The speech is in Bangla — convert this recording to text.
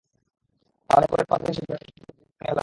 তাহলে পরের পাঁচ দিনে সেই বাড়তিটুকু ধীরে ধীরে কমিয়ে ফেলা যাবে।